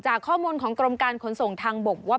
ข้อมูลของกรมการขนส่งทางบกว่า